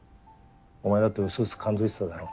お前だってうすうす感づいてただろ？